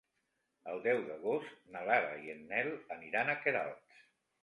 El deu d'agost na Lara i en Nel aniran a Queralbs.